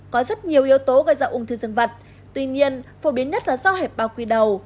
có rất nhiều yếu tố gây ra ung thư dân vật tuy nhiên phổ biến nhất là do hẹp bao quy đầu